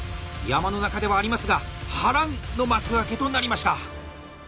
山の中ではありますが波乱の幕開けとなりました。